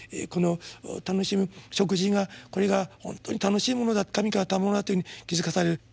この楽しみ食事がこれが本当に楽しいものだった神からの賜物だというふうに気付かされる。